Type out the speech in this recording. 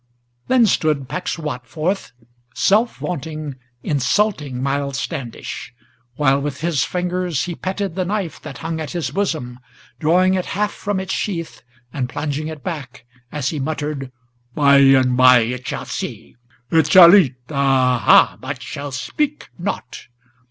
Then stood Pecksuot forth, self vaunting, insulting Miles Standish: While with his fingers he petted the knife that hung at his bosom, Drawing it half from its sheath, and plunging it back, as he muttered, "By and by it shall see; it shall eat; ah, ha! but shall speak not!